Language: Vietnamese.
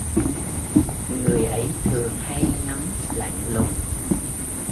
Người ấy thường hay ngắm lạnh lùng